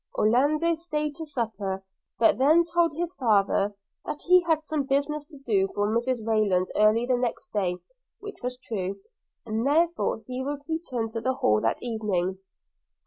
Orlando staid to supper; but then told his father, that he had some business to do for Mrs Rayland early the next day (which was true), and therefore he would return to the Hall that evening.